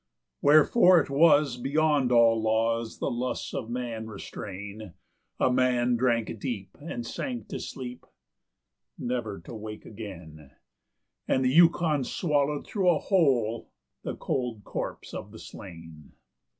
Wherefore it was beyond all laws that lusts of man restrain, A man drank deep and sank to sleep never to wake again; And the Yukon swallowed through a hole the cold corpse of the slain.